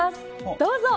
どうぞ。